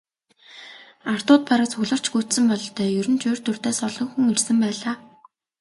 Ардууд бараг цугларч гүйцсэн бололтой, ер нь ч урьд урьдаас олон хүн ирсэн байлаа.